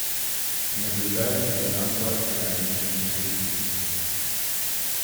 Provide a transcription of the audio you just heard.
Наблюдается финансово-экономический кризис.